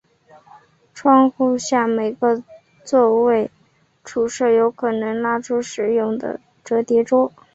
窗户下每个座位处设有可以拉出使用的折叠桌。